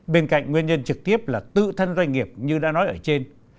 bên cạnh nguyên nhân trực tiếp là tự thân doanh nghiệp như đã nói ở trên